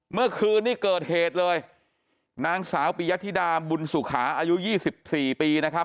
เมื่อคืนนี้เกิดเหตุเลยนางสาวปียธิดาบุญสุขาอายุ๒๔ปีนะครับ